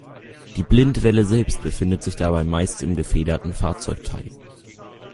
Die Blindwelle selbst befindet sich dabei meist im gefederten Fahrzeugteil.